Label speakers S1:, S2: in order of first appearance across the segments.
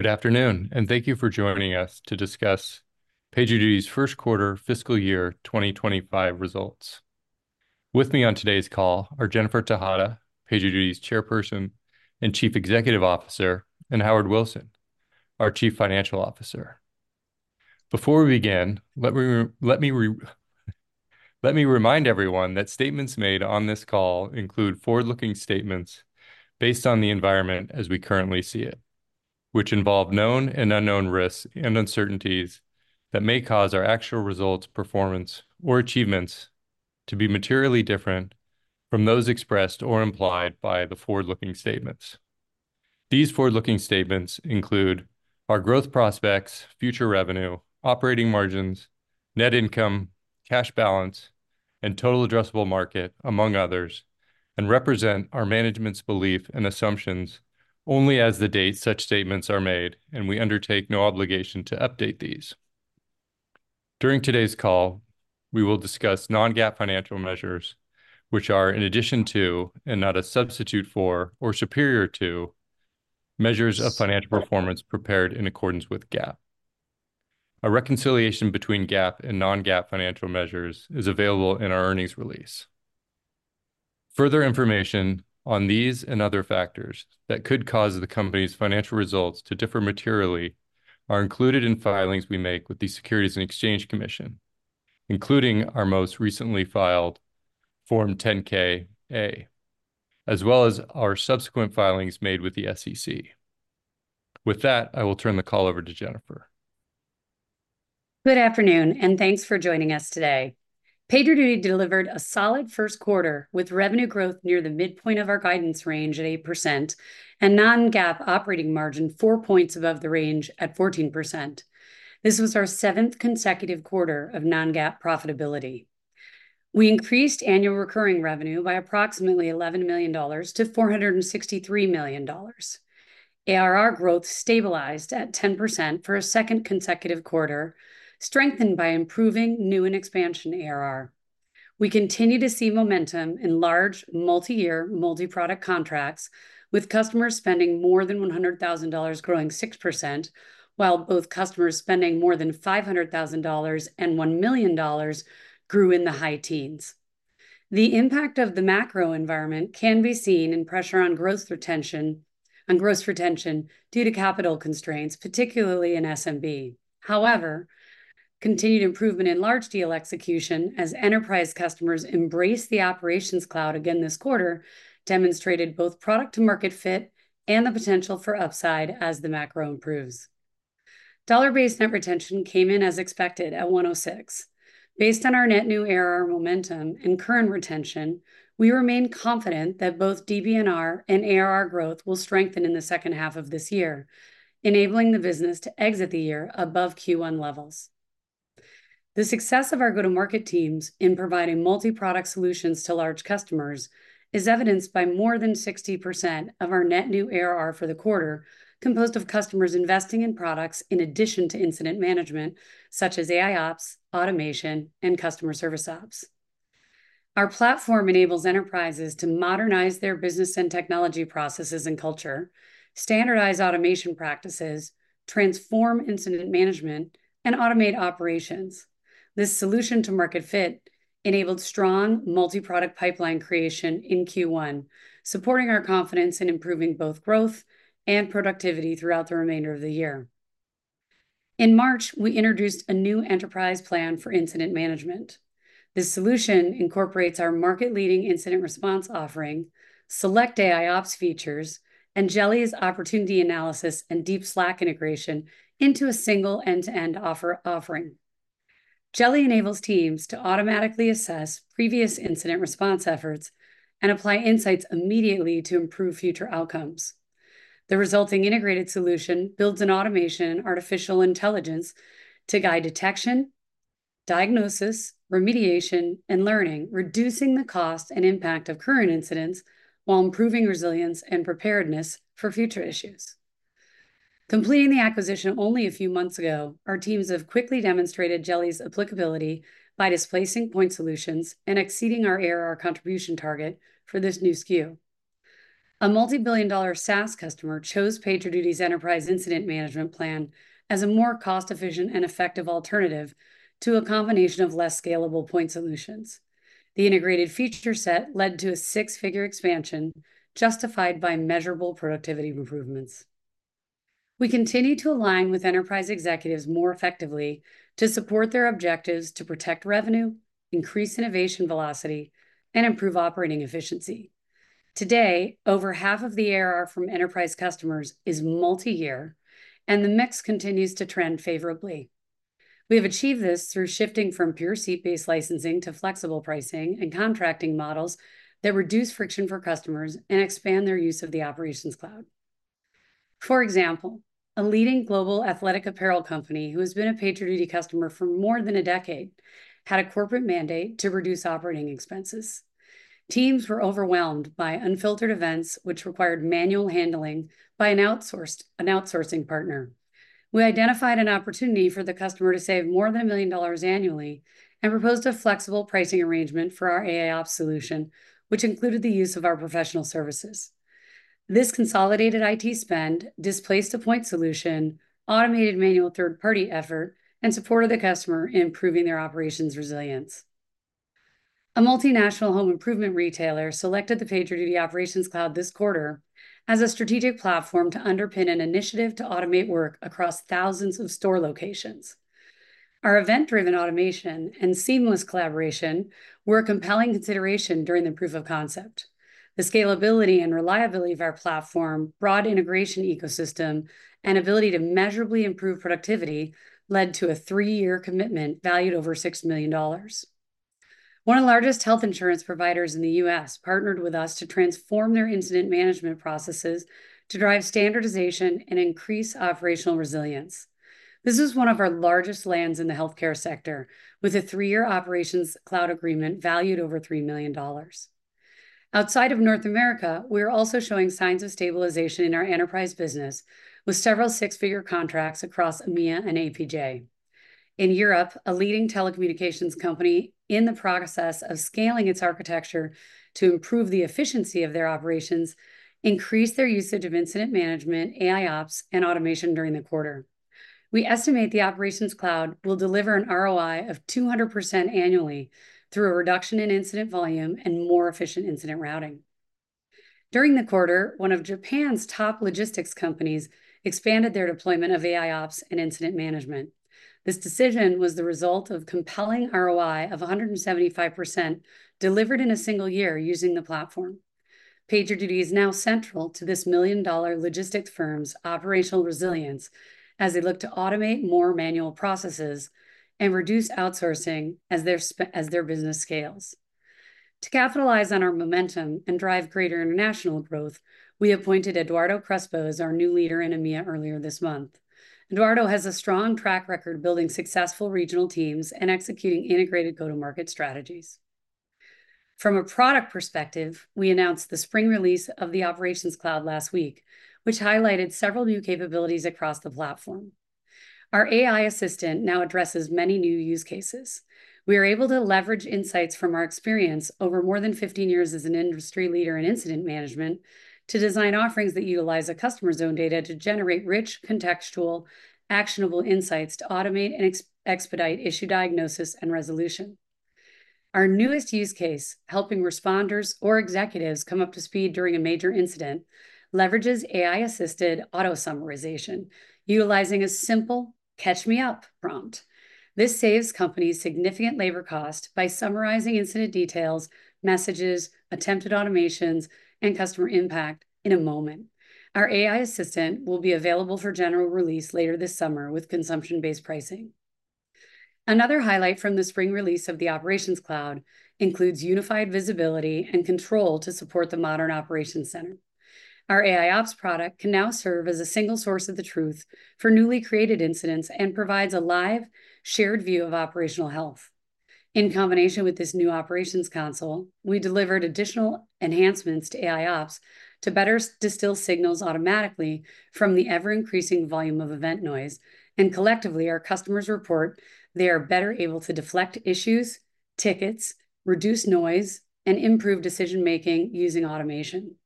S1: Good afternoon, and thank you for joining us to discuss PagerDuty's first quarter fiscal year 2025 results. With me on today's call are Jennifer Tejada, PagerDuty's Chairperson and Chief Executive Officer, and Howard Wilson, our Chief Financial Officer. Before we begin, let me remind everyone that statements made on this call include forward-looking statements based on the environment as we currently see it, which involve known and unknown risks and uncertainties that may cause our actual results, performance, or achievements to be materially different from those expressed or implied by the forward-looking statements. These forward-looking statements include our growth prospects, future revenue, operating margins, net income, cash balance, and total addressable market, among others, and represent our management's belief and assumptions only as the date such statements are made, and we undertake no obligation to update these. During today's call, we will discuss non-GAAP financial measures, which are in addition to, and not a substitute for or superior to, measures of financial performance prepared in accordance with GAAP. A reconciliation between GAAP and non-GAAP financial measures is available in our earnings release. Further information on these and other factors that could cause the company's financial results to differ materially are included in filings we make with the Securities and Exchange Commission, including our most recently filed Form 10-K/A, as well as our subsequent filings made with the SEC. With that, I will turn the call over to Jennifer.
S2: Good afternoon, and thanks for joining us today. PagerDuty delivered a solid first quarter, with revenue growth near the midpoint of our guidance range at 8% and non-GAAP operating margin 4 points above the range at 14%. This was our seventh consecutive quarter of non-GAAP profitability. We increased annual recurring revenue by approximately $11 million-$463 million. ARR growth stabilized at 10% for a second consecutive quarter, strengthened by improving new and expansion ARR. We continue to see momentum in large, multi-year, multi-product contracts, with customers spending more than $100,000 growing 6%, while both customers spending more than $500,000 and $1 million grew in the high teens. The impact of the macro environment can be seen in pressure on gross retention due to capital constraints, particularly in SMB. However, continued improvement in large deal execution, as enterprise customers embrace the Operations Cloud again this quarter, demonstrated both product-to-market fit and the potential for upside as the macro improves. Dollar-Based Net Retention came in as expected at 106%. Based on our Net New ARR momentum and current retention, we remain confident that both DBNR and ARR growth will strengthen in the second half of this year, enabling the business to exit the year above Q1 levels. The success of our go-to-market teams in providing multi-product solutions to large customers is evidenced by more than 60% of our Net New ARR for the quarter, composed of customers investing in products in addition to Incident Management, such as AIOps, Automation, and Customer Service Ops. Our platform enables enterprises to modernize their business and technology processes and culture, standardize automation practices, transform Incident Management, and automate operations. This solution to market fit enabled strong multi-product pipeline creation in Q1, supporting our confidence in improving both growth and productivity throughout the remainder of the year. In March, we introduced a new enterprise plan for Incident Management. This solution incorporates our market-leading Incident Response offering, select AIOps features, and Jeli's opportunity analysis and deep Slack integration into a single end-to-end offering. Jeli enables teams to automatically assess previous Incident Response efforts and apply insights immediately to improve future outcomes. The resulting integrated solution builds an automation artificial intelligence to guide detection, diagnosis, remediation, and learning, reducing the cost and impact of current incidents while improving resilience and preparedness for future issues. Completing the acquisition only a few months ago, our teams have quickly demonstrated Jeli's applicability by displacing point solutions and exceeding our ARR contribution target for this new SKU. A multi-billion dollar SaaS customer chose PagerDuty's Enterprise Incident Management plan as a more cost-efficient and effective alternative to a combination of less scalable point solutions. The integrated feature set led to a six-figure expansion, justified by measurable productivity improvements. We continue to align with enterprise executives more effectively to support their objectives to protect revenue, increase innovation velocity, and improve operating efficiency. Today, over half of the ARR from enterprise customers is multi-year, and the mix continues to trend favorably. We have achieved this through shifting from pure seat-based licensing to flexible pricing and contracting models that reduce friction for customers and expand their use of the Operations Cloud. For example, a leading global athletic apparel company, who has been a PagerDuty customer for more than a decade, had a corporate mandate to reduce operating expenses. Teams were overwhelmed by unfiltered events, which required manual handling by an outsourcing partner. We identified an opportunity for the customer to save more than $1 million annually, and proposed a flexible pricing arrangement for our AIOps solution, which included the use of our professional services. This consolidated IT spend displaced a point solution, automated manual third-party effort, and supported the customer in improving their operations resilience. A multinational home improvement retailer selected the PagerDuty Operations Cloud this quarter as a strategic platform to underpin an initiative to automate work across thousands of store locations. Our event-driven automation and seamless collaboration were a compelling consideration during the proof of concept. The scalability and reliability of our platform, broad integration ecosystem, and ability to measurably improve productivity led to a three-year commitment valued over $6 million. One of the largest health insurance providers in the US partnered with us to transform their Incident Management processes to drive standardization and increase operational resilience. This is one of our largest lands in the healthcare sector, with a three-year Operations Cloud agreement valued over $3 million. Outside of North America, we are also showing signs of stabilization in our enterprise business, with several six-figure contracts across EMEA and APJ. In Europe, a leading telecommunications company, in the process of scaling its architecture to improve the efficiency of their operations, increased their usage of Incident Management, AIOps, and Automation during the quarter. We estimate the Operations Cloud will deliver an ROI of 200% annually through a reduction in incident volume and more efficient incident routing. During the quarter, one of Japan's top logistics companies expanded their deployment of AIOps and Incident Management. This decision was the result of compelling ROI of 175%, delivered in a single year using the platform. PagerDuty is now central to this million-dollar logistics firm's operational resilience as they look to automate more manual processes and reduce outsourcing as their business scales. To capitalize on our momentum and drive greater international growth, we appointed Eduardo Crespo as our new leader in EMEA earlier this month. Eduardo has a strong track record of building successful regional teams and executing integrated go-to-market strategies. From a product perspective, we announced the spring release of the Operations Cloud last week, which highlighted several new capabilities across the platform. Our AI Assistant now addresses many new use cases. We are able to leverage insights from our experience over more than 15 years as an industry leader in Incident Management to design offerings that utilize a customer's own data to generate rich, contextual, actionable insights to automate and expedite issue diagnosis and resolution. Our newest use case, helping responders or executives come up to speed during a major incident, leverages AI-assisted auto summarization, utilizing a simple Catch Me Up prompt. This saves companies significant labor cost by summarizing incident details, messages, attempted automations, and customer impact in a moment. Our AI Assistant will be available for general release later this summer with consumption-based pricing. Another highlight from the spring release of the Operations Cloud includes unified visibility and control to support the modern operations center. Our AIOps product can now serve as a single source of the truth for newly created incidents and provides a live, shared view of operational health. In combination with this new Operations Console, we delivered additional enhancements to AIOps to better distill signals automatically from the ever-increasing volume of event noise, and collectively, our customers report they are better able to deflect issues, tickets, reduce noise, and improve decision-making using automation.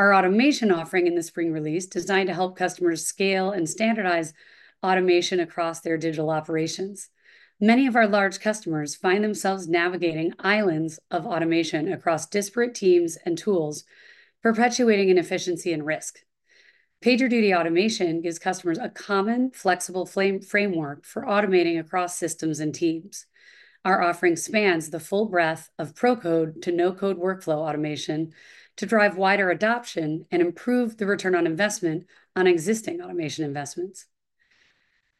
S2: Our automation offering in the spring release, designed to help customers scale and standardize automation across their digital operations. Many of our large customers find themselves navigating islands of automation across disparate teams and tools, perpetuating inefficiency and risk. PagerDuty Automation gives customers a common, flexible frame, framework for automating across systems and teams. Our offering spans the full breadth of pro-code to no-code workflow automation to drive wider adoption and improve the return on investment on existing automation investments.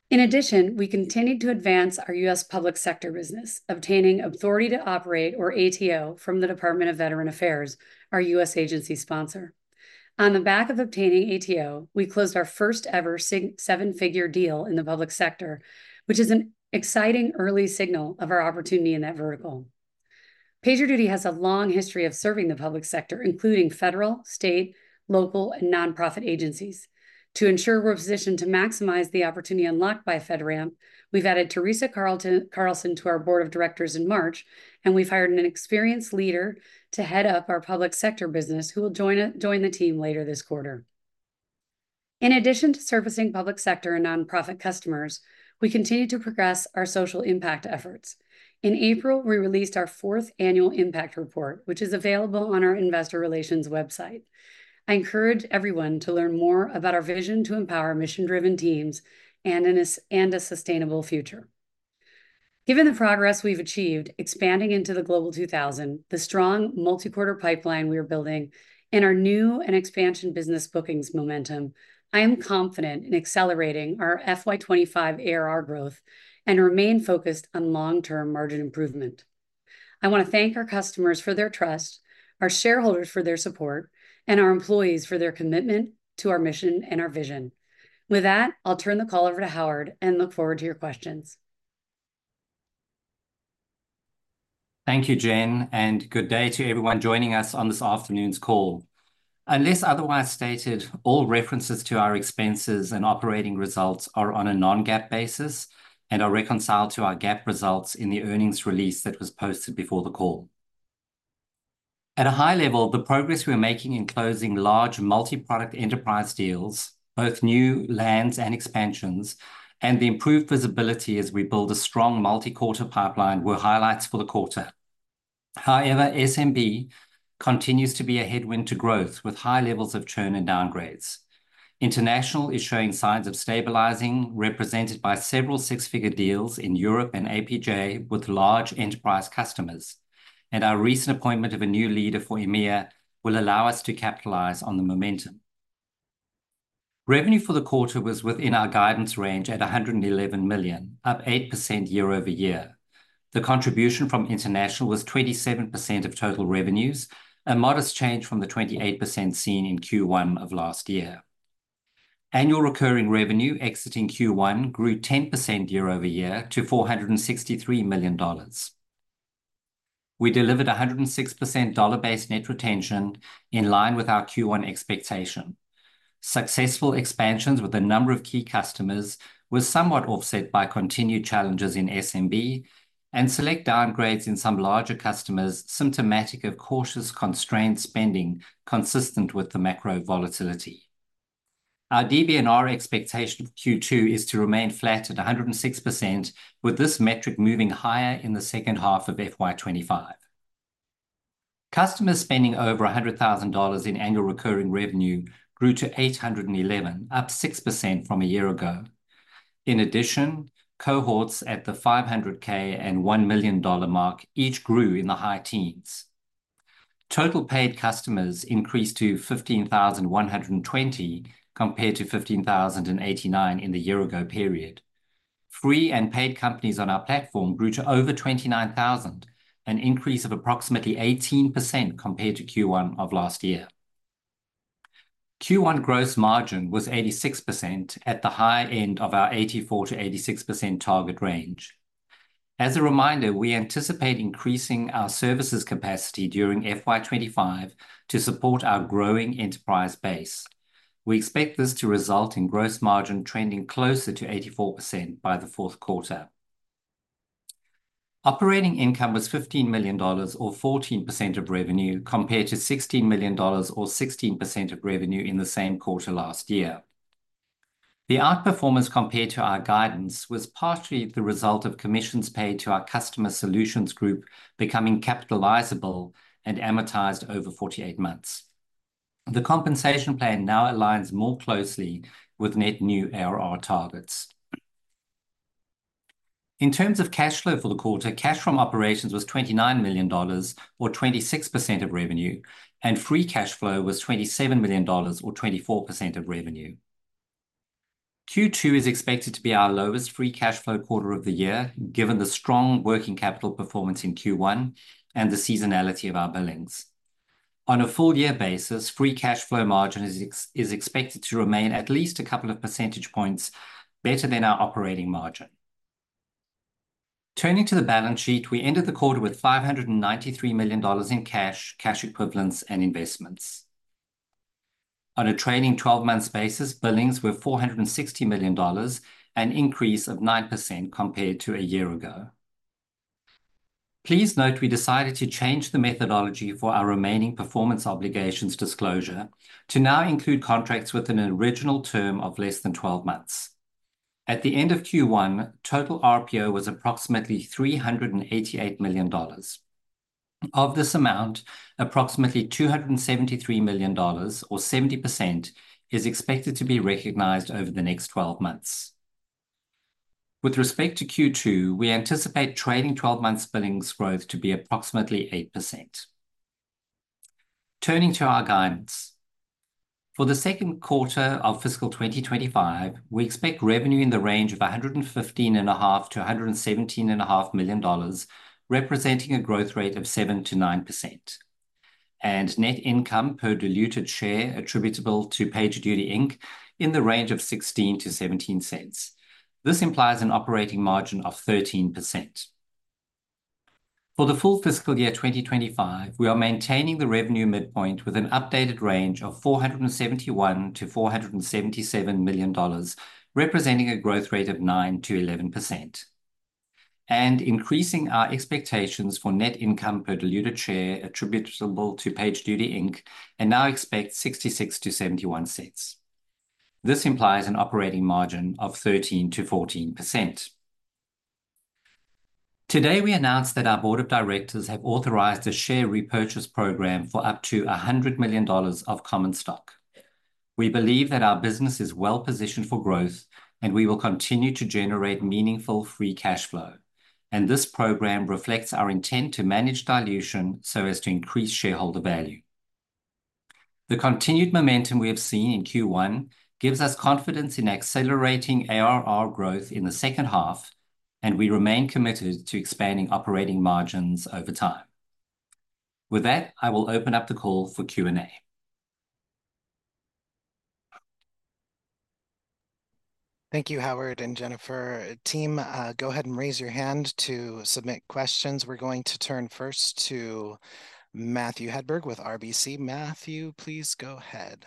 S2: In addition, we continued to advance our US public sector business, obtaining authority to operate, or ATO, from the Department of Veterans Affairs, our US agency sponsor. On the back of obtaining ATO, we closed our first-ever seven-figure deal in the public sector, which is an exciting early signal of our opportunity in that vertical. PagerDuty has a long history of serving the public sector, including federal, state, local, and nonprofit agencies. To ensure we're positioned to maximize the opportunity unlocked by FedRAMP, we've added Teresa Carlson to our board of directors in March, and we've hired an experienced leader to head up our public sector business, who will join the team later this quarter. In addition to servicing public sector and nonprofit customers, we continue to progress our social impact efforts. In April, we released our fourth annual impact report, which is available on our investor relations website. I encourage everyone to learn more about our vision to empower mission-driven teams and a sustainable future. Given the progress we've achieved, expanding into the Global 2000, the strong multi-quarter pipeline we are building, and our new and expansion business bookings momentum, I am confident in accelerating our FY 2025 ARR growth and remain focused on long-term margin improvement. I want to thank our customers for their trust, our shareholders for their support, and our employees for their commitment to our mission and our vision. With that, I'll turn the call over to Howard and look forward to your questions....
S3: Thank you, Jen, and good day to everyone joining us on this afternoon's call. Unless otherwise stated, all references to our expenses and operating results are on a non-GAAP basis and are reconciled to our GAAP results in the earnings release that was posted before the call. At a high level, the progress we are making in closing large multi-product enterprise deals, both new lands and expansions, and the improved visibility as we build a strong multi-quarter pipeline, were highlights for the quarter. However, SMB continues to be a headwind to growth, with high levels of churn and downgrades. International is showing signs of stabilizing, represented by several six-figure deals in Europe and APJ with large enterprise customers, and our recent appointment of a new leader for EMEA will allow us to capitalize on the momentum. Revenue for the quarter was within our guidance range at $111 million, up 8% year-over-year. The contribution from international was 27% of total revenues, a modest change from the 28% seen in Q1 of last year. Annual recurring revenue exiting Q1 grew 10% year-over-year to $463 million. We delivered 106% dollar-based net retention, in line with our Q1 expectation. Successful expansions with a number of key customers were somewhat offset by continued challenges in SMB and select downgrades in some larger customers, symptomatic of cautious, constrained spending consistent with the macro volatility. Our DBNR expectation of Q2 is to remain flat at 106%, with this metric moving higher in the second half of FY 2025. Customers spending over $100,000 in annual recurring revenue grew to 811, up 6% from a year ago. In addition, cohorts at the 500K and $1 million mark each grew in the high teens. Total paid customers increased to 15,120, compared to 15,089 in the year ago period. Free and paid companies on our platform grew to over 29,000, an increase of approximately 18% compared to Q1 of last year. Q1 gross margin was 86% at the high end of our 84%-86% target range. As a reminder, we anticipate increasing our services capacity during FY 2025 to support our growing enterprise base. We expect this to result in gross margin trending closer to 84% by the fourth quarter. Operating income was $15 million, or 14% of revenue, compared to $16 million, or 16% of revenue in the same quarter last year. The outperformance compared to our guidance was partially the result of commissions paid to our Customer Solutions Group becoming capitalizable and amortized over 48 months. The compensation plan now aligns more closely with net new ARR targets. In terms of cash flow for the quarter, cash from operations was $29 million, or 26% of revenue, and free cash flow was $27 million, or 24% of revenue. Q2 is expected to be our lowest free cash flow quarter of the year, given the strong working capital performance in Q1 and the seasonality of our billings. On a full-year basis, free cash flow margin is expected to remain at least a couple of percentage points better than our operating margin. Turning to the balance sheet, we ended the quarter with $593 million in cash, cash equivalents, and investments. On a trailing 12-months basis, billings were $460 million, an increase of 9% compared to a year ago. Please note, we decided to change the methodology for our remaining performance obligations disclosure to now include contracts with an original term of less than 12 months. At the end of Q1, total RPO was approximately $388 million. Of this amount, approximately $273 million, or 70%, is expected to be recognized over the next 12 months. With respect to Q2, we anticipate trailing 12-months billings growth to be approximately 8%. Turning to our guidance. For the second quarter of fiscal 2025, we expect revenue in the range of $115.5 million-$117.5 million, representing a growth rate of 7%-9%, and net income per diluted share attributable to PagerDuty, Inc. in the range of $0.16-$0.17. This implies an operating margin of 13%. For the full fiscal year 2025, we are maintaining the revenue midpoint with an updated range of $471 million-$477 million, representing a growth rate of 9%-11%, and increasing our expectations for net income per diluted share attributable to PagerDuty, Inc., and now expect $0.66-$0.71. This implies an operating margin of 13%-14%. Today, we announced that our board of directors have authorized a share repurchase program for up to $100 million of common stock. We believe that our business is well-positioned for growth, and we will continue to generate meaningful free cash flow, and this program reflects our intent to manage dilution so as to increase shareholder value. The continued momentum we have seen in Q1 gives us confidence in accelerating ARR growth in the second half, and we remain committed to expanding operating margins over time. With that, I will open up the call for Q&A....
S1: Thank you, Howard and Jennifer. Team, go ahead and raise your hand to submit questions. We're going to turn first to Matthew Hedberg with RBC. Matthew, please go ahead.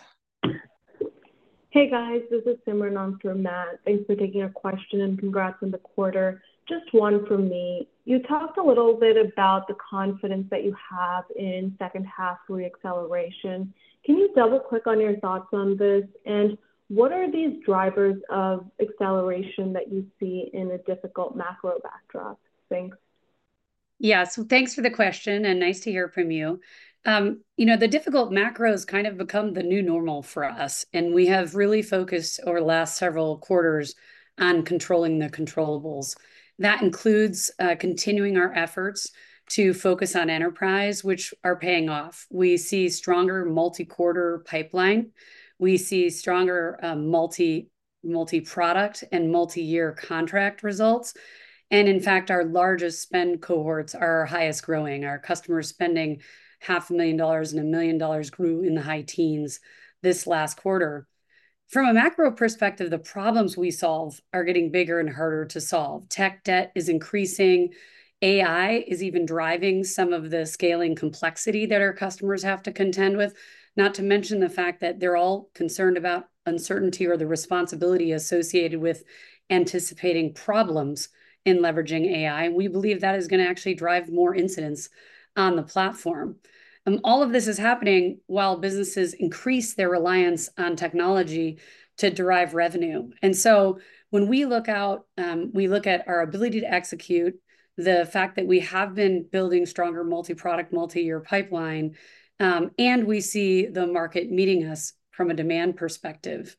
S4: Hey, guys. This is Simran on for Matt. Thanks for taking our question, and congrats on the quarter. Just one from me: You talked a little bit about the confidence that you have in second half re-acceleration. Can you double-click on your thoughts on this, and what are these drivers of acceleration that you see in a difficult macro backdrop? Thanks.
S2: Yeah, so thanks for the question, and nice to hear from you. You know, the difficult macro's kind of become the new normal for us, and we have really focused over the last several quarters on controlling the controllables. That includes continuing our efforts to focus on enterprise, which are paying off. We see stronger multi-quarter pipeline. We see stronger multi-product and multi-year contract results, and in fact, our largest spend cohorts are our highest growing. Our customer spending $500,000 and $1 million grew in the high teens this last quarter. From a macro perspective, the problems we solve are getting bigger and harder to solve. tech debt is increasing. AI is even driving some of the scaling complexity that our customers have to contend with, not to mention the fact that they're all concerned about uncertainty or the responsibility associated with anticipating problems in leveraging AI. We believe that is gonna actually drive more incidents on the platform. All of this is happening while businesses increase their reliance on technology to derive revenue. And so when we look out, we look at our ability to execute, the fact that we have been building stronger multi-product, multi-year pipeline, and we see the market meeting us from a demand perspective.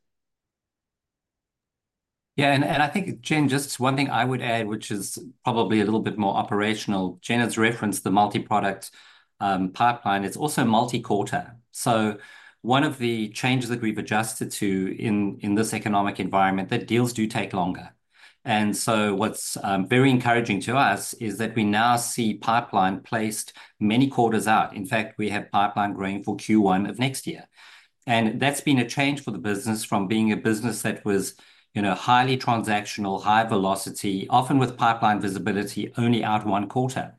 S3: Yeah, and I think, Jen, just one thing I would add, which is probably a little bit more operational. Jen has referenced the multi-product pipeline. It's also multi-quarter. So one of the changes that we've adjusted to in this economic environment, that deals do take longer. And so what's very encouraging to us is that we now see pipeline placed many quarters out. In fact, we have pipeline growing for Q1 of next year, and that's been a change for the business from being a business that was, you know, highly transactional, high velocity, often with pipeline visibility only out one quarter.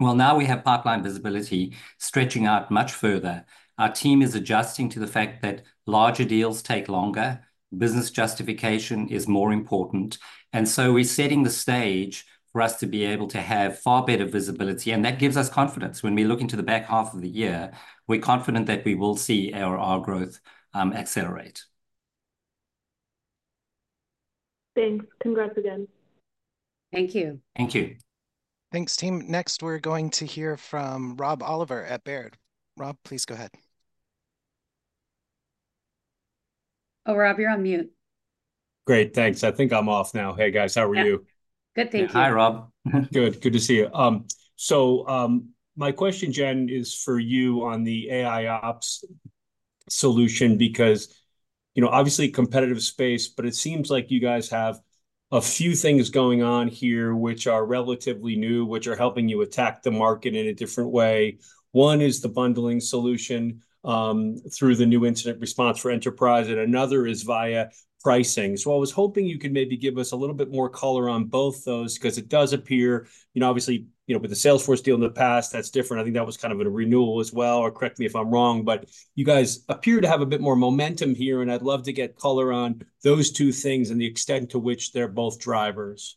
S3: Well, now we have pipeline visibility stretching out much further. Our team is adjusting to the fact that larger deals take longer, business justification is more important, and so we're setting the stage for us to be able to have far better visibility, and that gives us confidence. When we look into the back half of the year, we're confident that we will see our, our growth, accelerate.
S4: Thanks. Congrats again.
S2: Thank you.
S3: Thank you.
S1: Thanks, team. Next, we're going to hear from Rob Oliver at Baird. Rob, please go ahead.
S2: Oh, Rob, you're on mute.
S5: Great, thanks. I think I'm off now. Hey, guys, how are you?
S2: Good, thank you.
S3: Hi, Rob.
S5: Good. Good to see you. So, my question, Jen, is for you on the AIOps solution because, you know, obviously competitive space, but it seems like you guys have a few things going on here which are relatively new, which are helping you attack the market in a different way. One is the bundling solution, through the new Incident Response for enterprise, and another is via pricing. So I was hoping you could maybe give us a little bit more color on both those, 'cause it does appear... You know, obviously, you know, with the Salesforce deal in the past, that's different. I think that was kind of a renewal as well, or correct me if I'm wrong, but you guys appear to have a bit more momentum here, and I'd love to get color on those two things and the extent to which they're both drivers.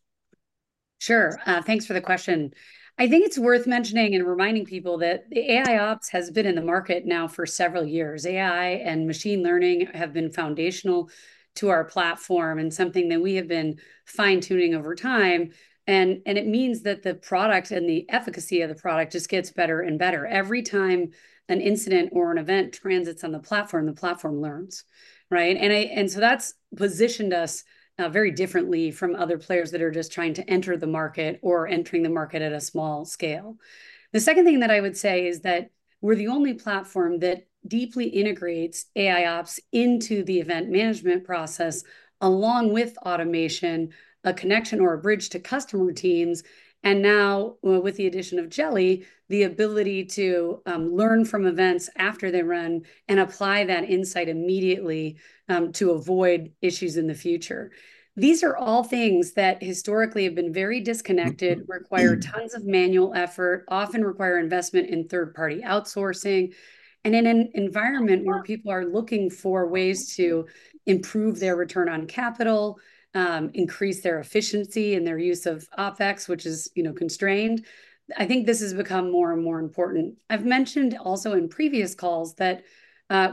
S2: Sure. Thanks for the question. I think it's worth mentioning and reminding people that the AIOps has been in the market now for several years. AI and machine learning have been foundational to our platform and something that we have been fine-tuning over time, and it means that the product and the efficacy of the product just gets better and better. Every time an incident or an event transits on the platform, the platform learns, right? And so that's positioned us very differently from other players that are just trying to enter the market or entering the market at a small scale. The second thing that I would say is that we're the only platform that deeply integrates AIOps into the event management process, along with automation, a connection or a bridge to customer teams, and now, well, with the addition of Jeli, the ability to learn from events after they run and apply that insight immediately, to avoid issues in the future. These are all things that historically have been very disconnected, require tons of manual effort, often require investment in third-party outsourcing, and in an environment where people are looking for ways to improve their return on capital, increase their efficiency and their use of OpEx, which is, you know, constrained, I think this has become more and more important. I've mentioned also in previous calls that,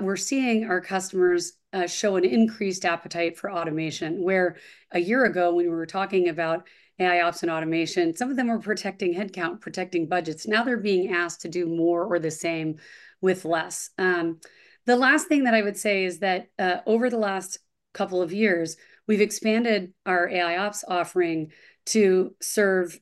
S2: we're seeing our customers show an increased appetite for automation, where a year ago, when we were talking about AIOps and Automation, some of them were protecting headcount, protecting budgets. Now they're being asked to do more or the same with less. The last thing that I would say is that, over the last couple of years, we've expanded our AIOps offering to serve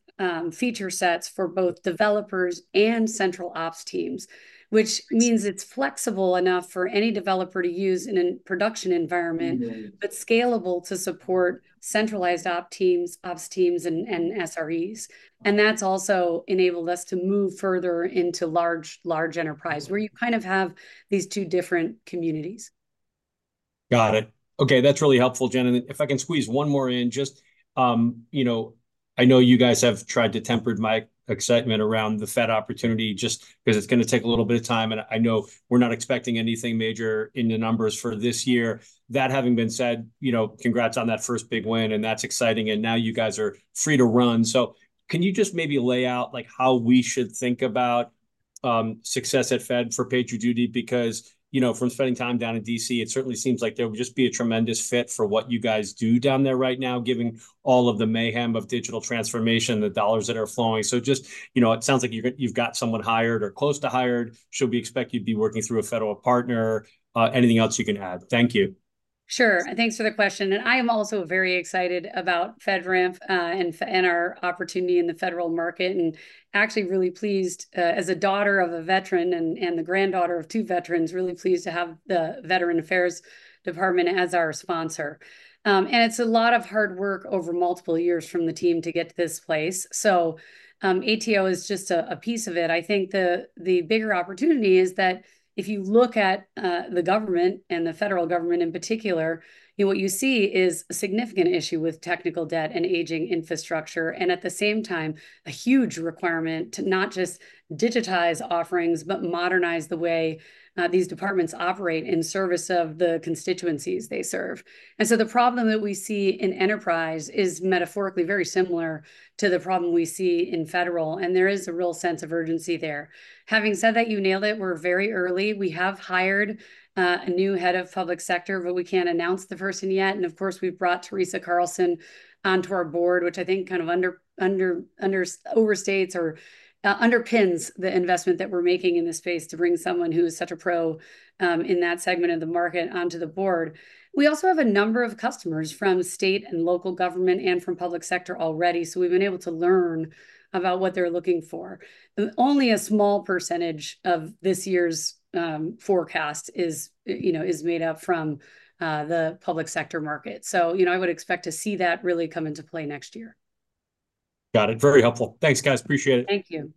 S2: feature sets for both developers and Central Ops teams, which means it's flexible enough for any developer to use in a production environment-
S5: Mm-hmm...
S2: but scalable to support centralized op teams, ops teams, and SREs. And that's also enabled us to move further into large, large enterprise, where you kind of have these two different communities....
S5: Got it. Okay, that's really helpful, Jen, and if I can squeeze one more in, just, you know, I know you guys have tried to temper my excitement around the Fed opportunity, just 'cause it's gonna take a little bit of time, and I know we're not expecting anything major in the numbers for this year. That having been said, you know, congrats on that first big win, and that's exciting, and now you guys are free to run. So can you just maybe lay out, like, how we should think about success at Fed for PagerDuty? Because, you know, from spending time down in D.C., it certainly seems like there would just be a tremendous fit for what you guys do down there right now, given all of the mayhem of digital transformation, the dollars that are flowing. Just, you know, it sounds like you've got, you've got someone hired or close to hired. Should we expect you'd be working through a federal partner? Anything else you can add? Thank you.
S2: Sure, thanks for the question, and I am also very excited about FedRAMP and our opportunity in the federal market, and actually really pleased as a daughter of a veteran and the granddaughter of two veterans, really pleased to have the Department of Veterans Affairs as our sponsor. And it's a lot of hard work over multiple years from the team to get to this place. So, ATO is just a piece of it. I think the bigger opportunity is that if you look at the government, and the federal government in particular, what you see is a significant issue with technical debt and aging infrastructure, and at the same time, a huge requirement to not just digitize offerings, but modernize the way these departments operate in service of the constituencies they serve. The problem that we see in enterprise is metaphorically very similar to the problem we see in federal, and there is a real sense of urgency there. Having said that, you nailed it. We're very early. We have hired a new head of public sector, but we can't announce the person yet, and of course, we've brought Teresa Carlson onto our board, which I think kind of underpins the investment that we're making in this space to bring someone who is such a pro in that segment of the market onto the board. We also have a number of customers from state and local government and from public sector already, so we've been able to learn about what they're looking for. Only a small percentage of this year's forecast is, you know, made up from the public sector market. So, you know, I would expect to see that really come into play next year.
S5: Got it. Very helpful. Thanks, guys. Appreciate it.
S2: Thank you.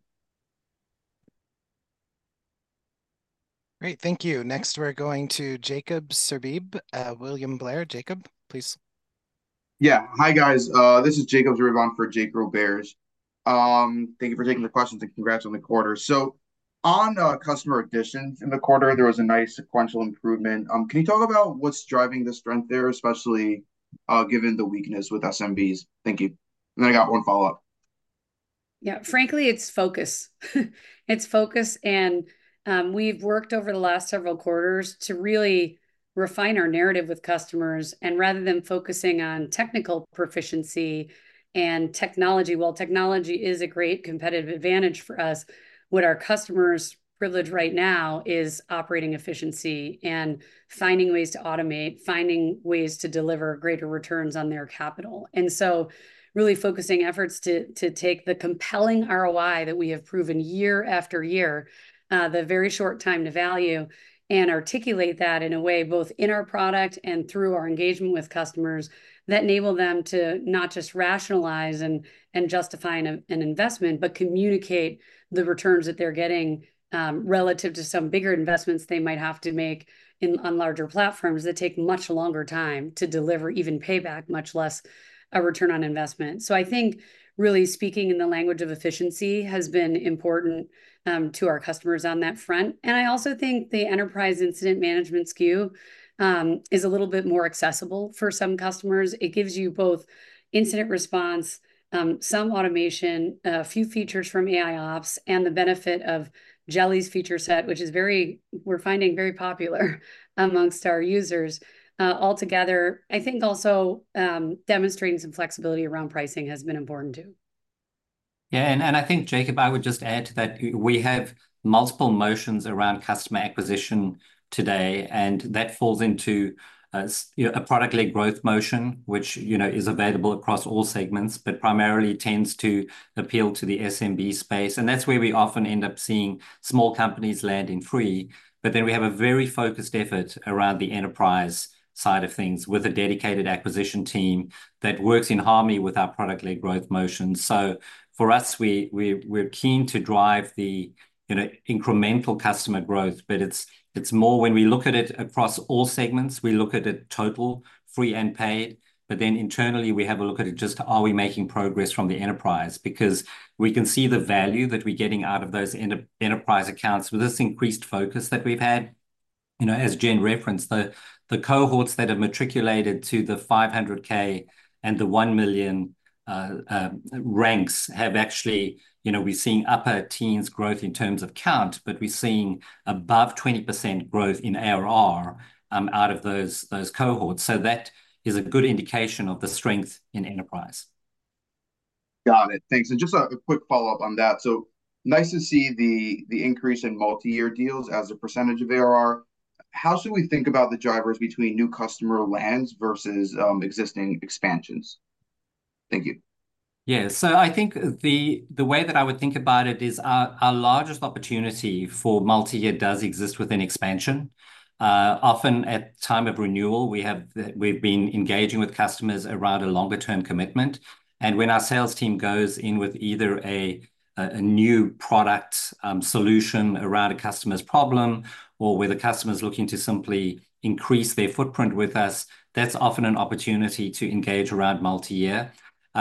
S1: Great, thank you. Next, we're going to Jake Zerbib, William Blair. Jake, please.
S6: Yeah. Hi, guys. This is Jake Zerbib on for Jake Roberge. Thank you for taking the questions, and congrats on the quarter. So on customer additions in the quarter, there was a nice sequential improvement. Can you talk about what's driving the strength there, especially given the weakness with SMBs? Thank you. And I got one follow-up.
S2: Yeah, frankly, it's focus. It's focus, and we've worked over the last several quarters to really refine our narrative with customers, and rather than focusing on technical proficiency and technology, while technology is a great competitive advantage for us, what our customers privilege right now is operating efficiency and finding ways to automate, finding ways to deliver greater returns on their capital. And so really focusing efforts to take the compelling ROI that we have proven year after year, the very short time to value, and articulate that in a way, both in our product and through our engagement with customers, that enable them to not just rationalize and justify an investment, but communicate the returns that they're getting, relative to some bigger investments they might have to make in on larger platforms that take much longer time to deliver even payback, much less a return on investment. So I think really speaking in the language of efficiency has been important to our customers on that front. And I also think the Enterprise Incident Management SKU is a little bit more accessible for some customers. It gives you both Incident Response, some automation, a few features from AIOps, and the benefit of Jeli's feature set, which is very, we're finding, very popular among our users. Altogether, I think. Also, demonstrating some flexibility around pricing has been important, too.
S3: Yeah, and I think, Jake, I would just add to that, we have multiple motions around customer acquisition today, and that falls into you know, a product-led growth motion, which, you know, is available across all segments, but primarily tends to appeal to the SMB space, and that's where we often end up seeing small companies landing free. But then we have a very focused effort around the enterprise side of things with a dedicated acquisition team that works in harmony with our product-led growth motion. So for us, we're keen to drive the, you know, incremental customer growth, but it's more when we look at it across all segments, we look at it total, free and paid. But then internally, we have a look at it, just are we making progress from the enterprise? Because we can see the value that we're getting out of those enterprise accounts with this increased focus that we've had. You know, as Jen referenced, the cohorts that have matriculated to the $500K and the $1 million ranks have actually... You know, we're seeing upper-teens growth in terms of count, but we're seeing above 20% growth in ARR out of those cohorts. So that is a good indication of the strength in enterprise.
S6: Got it. Thanks. And just a quick follow-up on that. So nice to see the increase in multi-year deals as a percentage of ARR. How should we think about the drivers between new customer lands versus existing expansions? Thank you.
S3: Yeah, so I think the way that I would think about it is our largest opportunity for multi-year does exist within expansion. Often at time of renewal, we've been engaging with customers around a longer-term commitment, and when our sales team goes in with either a new product solution around a customer's problem, or where the customer's looking to simply increase their footprint with us, that's often an opportunity to engage around multi-year.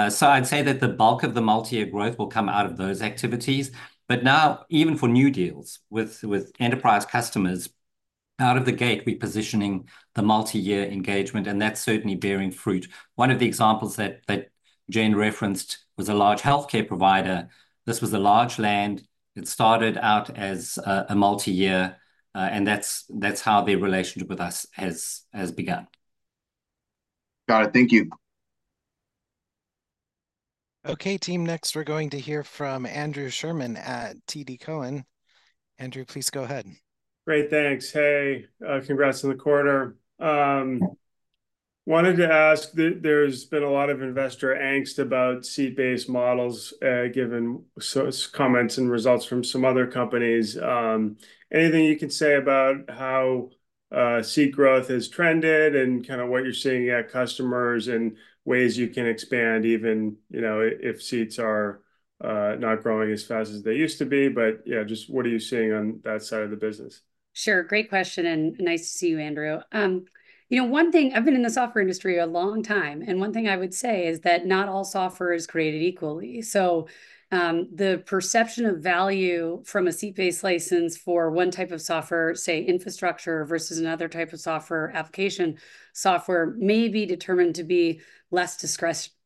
S3: So I'd say that the bulk of the multi-year growth will come out of those activities. But now, even for new deals with enterprise customers.... out of the gate, we're positioning the multi-year engagement, and that's certainly bearing fruit. One of the examples that Jen referenced was a large healthcare provider. This was a large land. It started out as a multi-year, and that's how their relationship with us has begun.
S6: Got it. Thank you.
S1: Okay, team, next we're going to hear from Andrew Sherman at TD Cowen. Andrew, please go ahead.
S7: Great, thanks. Hey, congrats on the quarter. Wanted to ask, there's been a lot of investor angst about seat-based models, given comments and results from some other companies. Anything you can say about how seat growth has trended, and kinda what you're seeing at customers, and ways you can expand even, you know, if seats are not growing as fast as they used to be? But, yeah, just what are you seeing on that side of the business?
S2: Sure, great question, and nice to see you, Andrew. You know, one thing I've been in the software industry a long time, and one thing I would say is that not all software is created equally. So, the perception of value from a seat-based license for one type of software, say infrastructure, versus another type of software, application software, may be determined to be less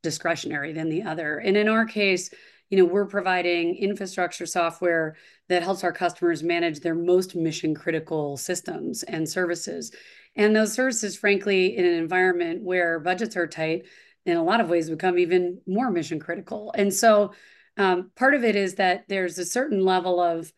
S2: discretionary than the other. And in our case, you know, we're providing infrastructure software that helps our customers manage their most mission-critical systems and services. And those services, frankly, in an environment where budgets are tight, in a lot of ways become even more mission-critical. And so, part of it is that there's a certain level of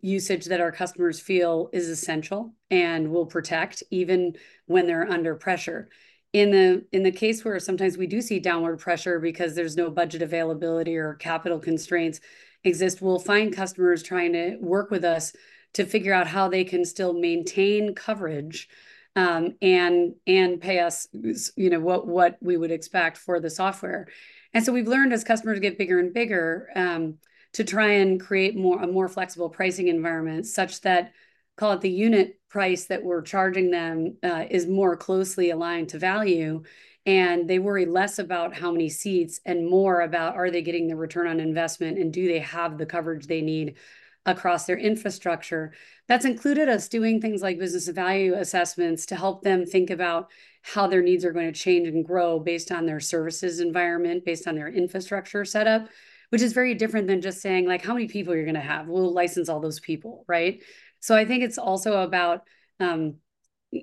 S2: usage that our customers feel is essential and we'll protect even when they're under pressure. In the case where sometimes we do see downward pressure because there's no budget availability or capital constraints exist, we'll find customers trying to work with us to figure out how they can still maintain coverage, and pay us, you know, what we would expect for the software. And so we've learned, as customers get bigger and bigger, to try and create a more flexible pricing environment, such that, call it the unit price that we're charging them, is more closely aligned to value, and they worry less about how many seats, and more about are they getting the return on investment, and do they have the coverage they need across their infrastructure? That's included us doing things like business value assessments to help them think about how their needs are going to change and grow based on their services environment, based on their infrastructure setup, which is very different than just saying, like, "How many people are you gonna have? We'll license all those people," right? So I think it's also about, you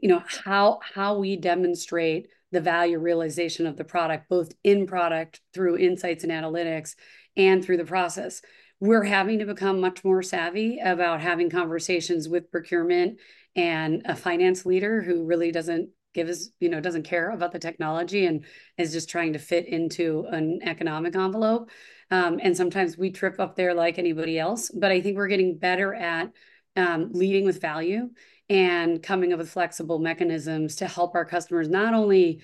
S2: know, how we demonstrate the value realization of the product, both in product, through insights and analytics, and through the process. We're having to become much more savvy about having conversations with procurement and a finance leader who really doesn't give us- you know, doesn't care about the technology, and is just trying to fit into an economic envelope. And sometimes we trip up there like anybody else, but I think we're getting better at leading with value and coming up with flexible mechanisms to help our customers not only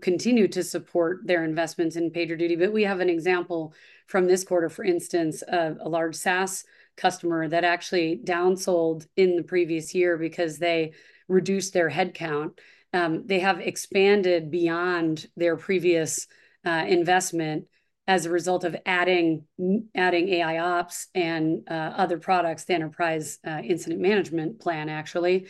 S2: continue to support their investments in PagerDuty, but we have an example from this quarter, for instance, of a large SaaS customer that actually down-sold in the previous year because they reduced their headcount. They have expanded beyond their previous investment as a result of adding AIOps and other products, the Enterprise Incident Management plan, actually,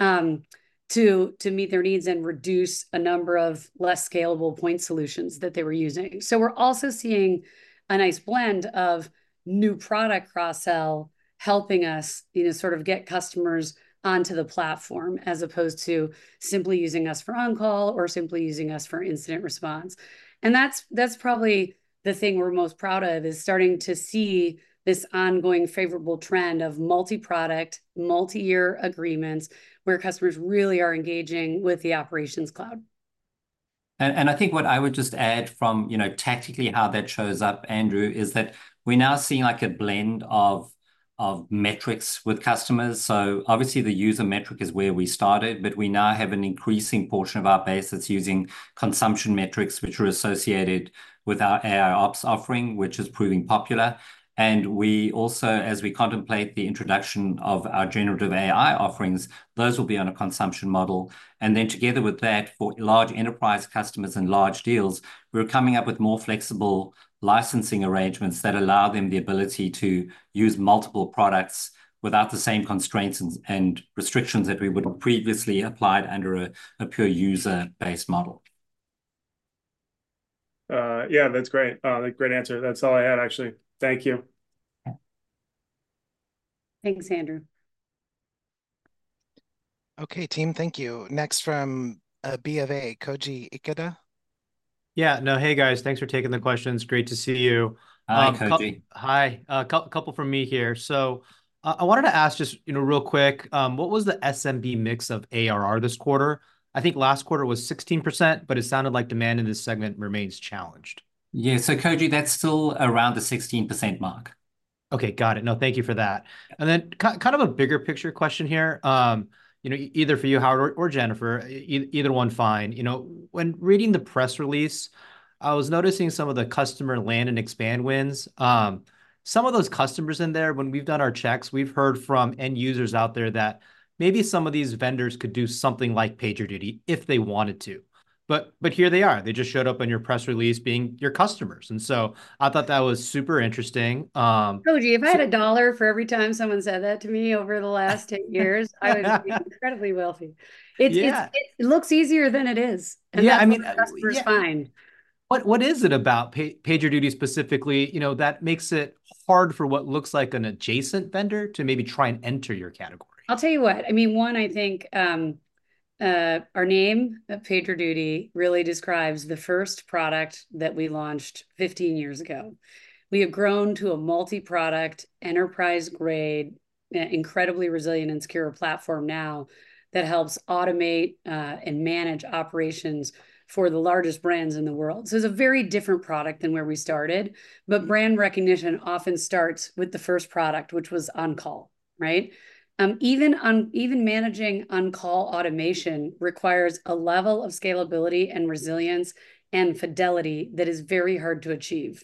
S2: to meet their needs and reduce a number of less scalable point solutions that they were using. So we're also seeing a nice blend of new product cross-sell helping us, you know, sort of get customers onto the platform, as opposed to simply using us for on-call or simply using us for Incident Response. And that's probably the thing we're most proud of, is starting to see this ongoing favorable trend of Multi-Product, multi-year agreements, where customers really are engaging with the Operations Cloud.
S3: I think what I would just add from, you know, tactically how that shows up, Andrew, is that we're now seeing, like, a blend of metrics with customers. So obviously the user metric is where we started, but we now have an increasing portion of our base that's using consumption metrics, which are associated with our AIOps offering, which is proving popular. And we also, as we contemplate the introduction of our generative AI offerings, those will be on a consumption model. And then together with that, for large enterprise customers and large deals, we're coming up with more flexible licensing arrangements that allow them the ability to use multiple products without the same constraints and restrictions that we would've previously applied under a pure user-based model.
S7: Yeah, that's great. Great answer. That's all I had, actually. Thank you.
S2: Thanks, Andrew.
S1: Okay, team, thank you. Next from BofA, Koji Ikeda.
S8: Yeah. No, hey, guys. Thanks for taking the questions. Great to see you.
S3: Hi, Koji.
S8: Hi. A couple from me here. So, I wanted to ask just, you know, real quick, what was the SMB mix of ARR this quarter? I think last quarter was 16%, but it sounded like demand in this segment remains challenged.
S3: Yeah, so Koji, that's still around the 16% mark.
S8: Okay, got it. No, thank you for that. And then kind of a bigger picture question here, you know, either for you, Howard, or Jennifer, either one fine. You know, when reading the press release, I was noticing some of the customer land and expand wins. Some of those customers in there, when we've done our checks, we've heard from end users out there that maybe some of these vendors could do something like PagerDuty if they wanted to... but here they are. They just showed up on your press release being your customers, and so I thought that was super interesting.
S2: Koji, if I had a dollar for every time someone said that to me over the last 10 years, I would be incredibly wealthy.
S8: Yeah.
S2: It looks easier than it is.
S8: Yeah, I mean-
S2: That's what customers find.
S8: What is it about PagerDuty specifically, you know, that makes it hard for what looks like an adjacent vendor to maybe try and enter your category?
S2: I'll tell you what. I mean, one, I think, our name, PagerDuty, really describes the first product that we launched 15 years ago. We have grown to a multi-product, enterprise-grade, incredibly resilient and secure platform now, that helps automate and manage operations for the largest brands in the world. So it's a very different product than where we started, but brand recognition often starts with the first product, which was on-call, right? Even managing on-call automation requires a level of scalability and resilience and fidelity that is very hard to achieve.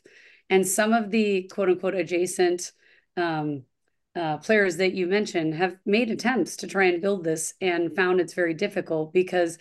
S2: And some of the, quote-unquote, "adjacent," players that you mentioned have made attempts to try and build this and found it's very difficult, because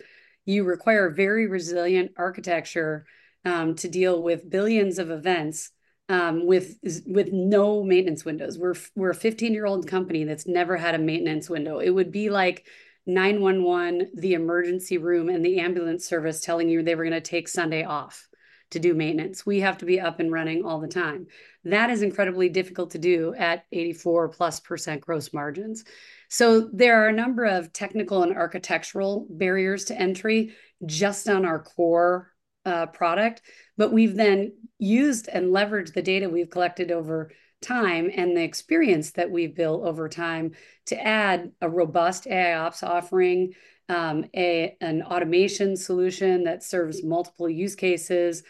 S2: you require very resilient architecture to deal with billions of events, with no maintenance windows. We're a fifteen-year-old company that's never had a maintenance window. It would be like 911, the emergency room, and the ambulance service telling you they were gonna take Sunday off to do maintenance. We have to be up and running all the time. That is incredibly difficult to do at 84%+ gross margins. So there are a number of technical and architectural barriers to entry just on our core product, but we've then used and leveraged the data we've collected over time, and the experience that we've built over time, to add a robust AIOps offering, an automation solution that serves multiple use cases.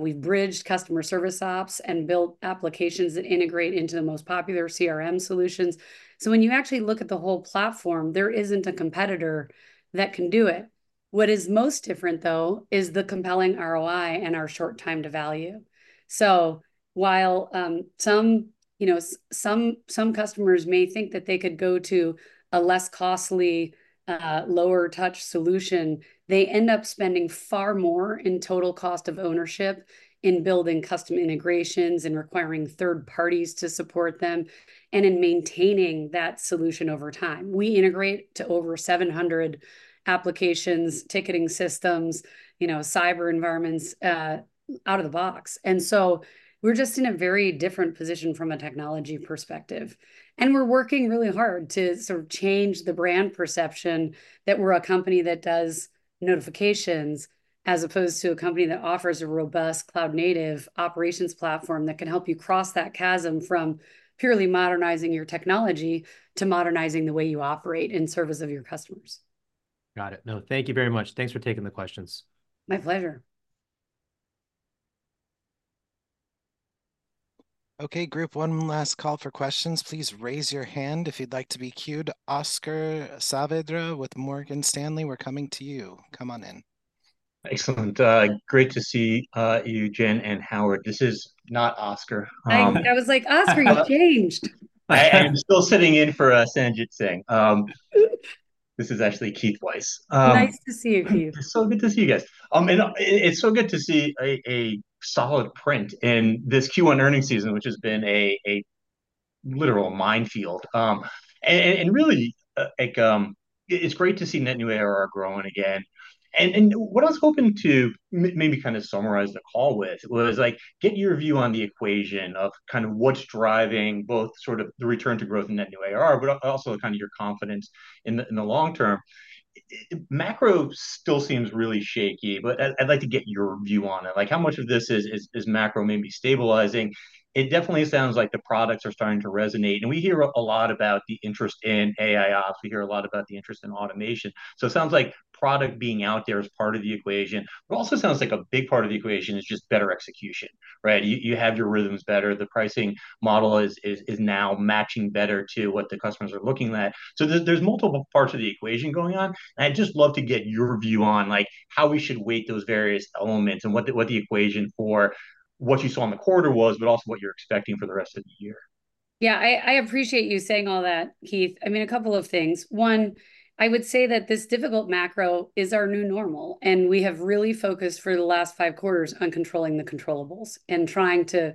S2: We've bridged Customer Service Ops, and built applications that integrate into the most popular CRM solutions. So when you actually look at the whole platform, there isn't a competitor that can do it. What is most different, though, is the compelling ROI and our short time to value. So while some, you know, some customers may think that they could go to a less costly lower-touch solution, they end up spending far more in total cost of ownership in building custom integrations and requiring third parties to support them, and in maintaining that solution over time. We integrate to over 700 applications, ticketing systems, you know, cyber environments out of the box. And so we're just in a very different position from a technology perspective, and we're working really hard to sort of change the brand perception that we're a company that does notifications, as opposed to a company that offers a robust cloud-native operations platform that can help you cross that chasm from purely modernizing your technology, to modernizing the way you operate in service of your customers.
S8: Got it. No, thank you very much. Thanks for taking the questions.
S2: My pleasure.
S1: Okay, group, one last call for questions. Please raise your hand if you'd like to be queued. Oscar Saavedra with Morgan Stanley, we're coming to you. Come on in.
S9: Excellent. Great to see you, Jen and Howard. This is not Oscar.
S2: I was like, 'Oscar, you changed!'
S9: I'm still sitting in for Sanjit Singh. This is actually Keith Weiss.
S2: Nice to see you, Keith.
S9: So good to see you guys. And it's so good to see a solid print in this Q1 earnings season, which has been a literal minefield. And really, like, it's great to see net new ARR growing again. And what I was hoping to maybe kind of summarize the call with was, like, get your view on the equation of kind of what's driving both sort of the return to growth in net new ARR, but also kind of your confidence in the long term. I... Macro still seems really shaky, but I'd like to get your view on it. Like, how much of this is macro maybe stabilizing? It definitely sounds like the products are starting to resonate, and we hear a lot about the interest in AIOps, we hear a lot about the interest in automation, so it sounds like product being out there is part of the equation. But it also sounds like a big part of the equation is just better execution, right? You have your rhythms better, the pricing model is now matching better to what the customers are looking at. So there's multiple parts of the equation going on, and I'd just love to get your view on, like, how we should weight those various elements, and what the equation for what you saw in the quarter was, but also what you're expecting for the rest of the year.
S2: Yeah, I appreciate you saying all that, Keith. I mean, a couple of things. One, I would say that this difficult macro is our new normal, and we have really focused for the last five quarters on controlling the controllables and trying to,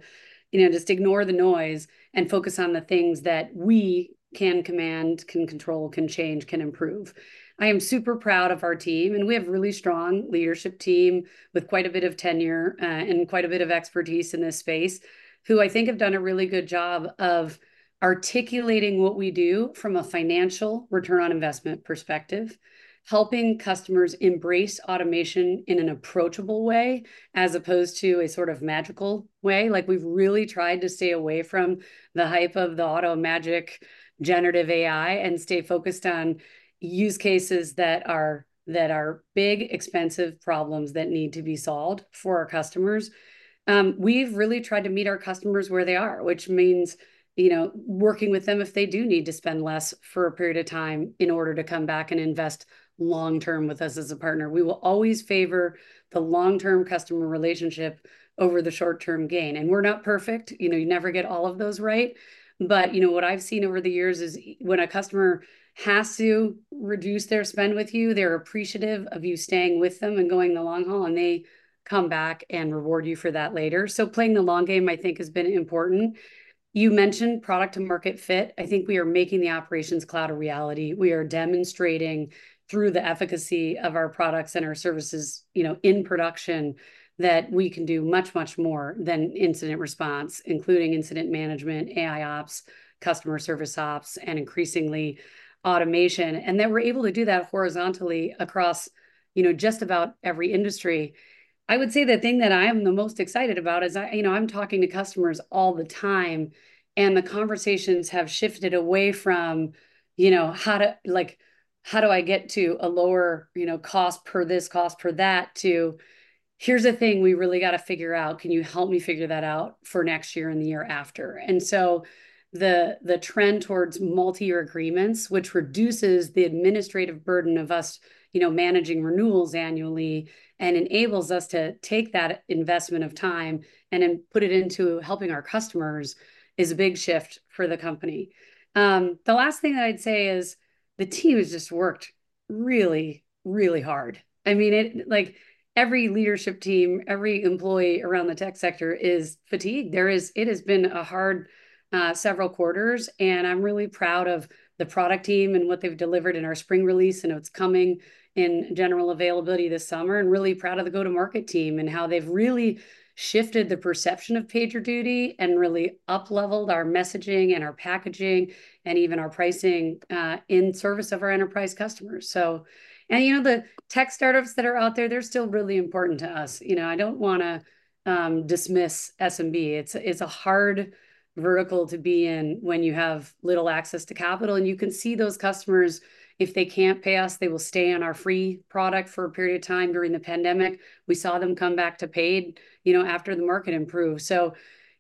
S2: you know, just ignore the noise and focus on the things that we can command, can control, can change, can improve. I am super proud of our team, and we have a really strong leadership team with quite a bit of tenure, and quite a bit of expertise in this space, who I think have done a really good job of articulating what we do from a financial return on investment perspective, helping customers embrace automation in an approachable way, as opposed to a sort of magical way. Like, we've really tried to stay away from the hype of the automagic generative AI, and stay focused on use cases that are big, expensive problems that need to be solved for our customers. We've really tried to meet our customers where they are, which means, you know, working with them if they do need to spend less for a period of time in order to come back and invest long-term with us as a partner. We will always favor the long-term customer relationship over the short-term gain. We're not perfect, you know, you never get all of those right. But, you know, what I've seen over the years is, when a customer has to reduce their spend with you, they're appreciative of you staying with them and going the long haul, and they come back and reward you for that later. So playing the long game, I think, has been important. You mentioned product-market fit. I think we are making the Operations Cloud a reality. We are demonstrating through the efficacy of our products and our services, you know, in production, that we can do much, much more than Incident Response, including Incident Management, AIOps, Customer Service Ops, and increasingly, Automation. And then we're able to do that horizontally across, you know, just about every industry. I would say the thing that I'm the most excited about is. You know, I'm talking to customers all the time, and the conversations have shifted away from, you know, how to... Like, "How do I get to a lower, you know, cost per this, cost per that?" to, "Here's a thing we really got to figure out. Can you help me figure that out for next year and the year after?" And so the trend towards multi-year agreements, which reduces the administrative burden of us, you know, managing renewals annually, and enables us to take that investment of time and then put it into helping our customers, is a big shift for the company. The last thing that I'd say is, the team has just worked really, really hard. I mean, like, every leadership team, every employee around the tech sector is fatigued. It has been a hard several quarters, and I'm really proud of the product team and what they've delivered in our spring release, I know it's coming in general availability this summer, and really proud of the go-to-market team and how they've really shifted the perception of PagerDuty and really upleveled our messaging and our packaging and even our pricing in service of our enterprise customers. So, you know, the tech startups that are out there, they're still really important to us. You know, I don't want to dismiss SMB. It's a hard vertical to be in when you have little access to capital, and you can see those customers, if they can't pay us, they will stay on our free product for a period of time. During the pandemic, we saw them come back to paid, you know, after the market improved. So,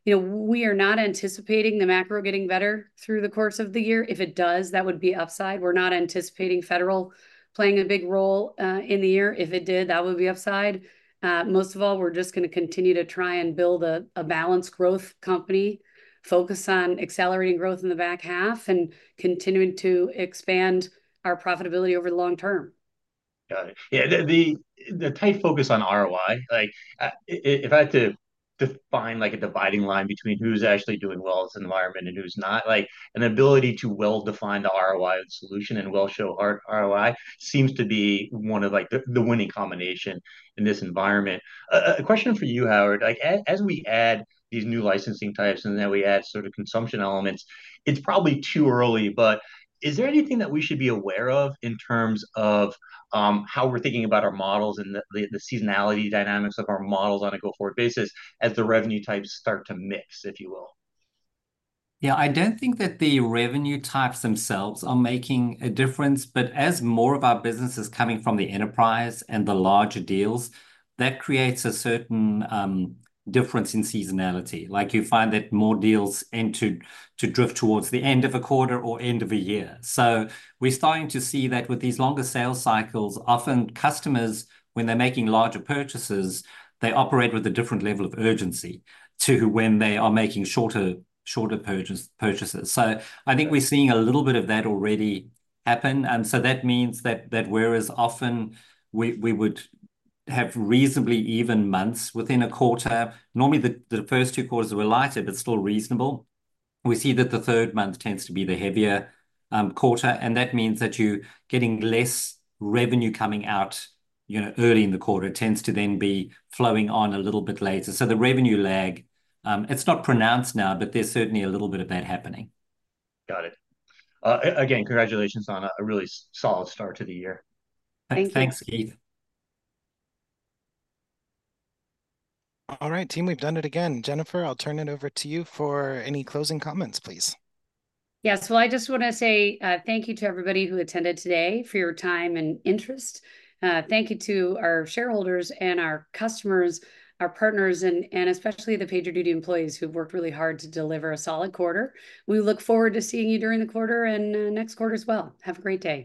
S2: you know, we are not anticipating the macro getting better through the course of the year. If it does, that would be upside. We're not anticipating federal playing a big role in the year. If it did, that would be upside. Most of all, we're just going to continue to try and build a balanced growth company, focus on accelerating growth in the back half, and continuing to expand our profitability over the long term.
S9: Got it. Yeah, the tight focus on ROI, like, if I had to define, like, a dividing line between who's actually doing well in this environment and who's not, like, an ability to well-define the ROI of the solution and well show ROI seems to be one of, like, the winning combination in this environment. A question for you, Howard: Like, as we add these new licensing types and then we add sort of consumption elements, it's probably too early, but is there anything that we should be aware of in terms of, how we're thinking about our models and the seasonality dynamics of our models on a go-forward basis as the revenue types start to mix, if you will?
S3: Yeah, I don't think that the revenue types themselves are making a difference, but as more of our business is coming from the enterprise and the larger deals, that creates a certain difference in seasonality. Like, you find that more deals tend to drift towards the end of a quarter or end of a year. So we're starting to see that with these longer sales cycles, often customers, when they're making larger purchases, they operate with a different level of urgency to when they are making shorter purchases. So I think we're seeing a little bit of that already happen, and so that means that whereas often we would have reasonably even months within a quarter, normally the first two quarters were lighter, but still reasonable. We see that the third month tends to be the heavier quarter, and that means that you're getting less revenue coming out, you know, early in the quarter. It tends to then be flowing on a little bit later. So the revenue lag, it's not pronounced now, but there's certainly a little bit of that happening.
S9: Got it. Again, congratulations on a really solid start to the year.
S2: Thank you.
S3: Thanks, Keith.
S1: All right, team, we've done it again. Jennifer, I'll turn it over to you for any closing comments, please.
S2: Yeah. So I just want to say, thank you to everybody who attended today, for your time and interest. Thank you to our shareholders and our customers, our partners, and especially the PagerDuty employees, who've worked really hard to deliver a solid quarter. We look forward to seeing you during the quarter and, next quarter as well. Have a great day.